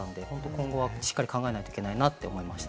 今後はしっかり考えないといけないなと思いました。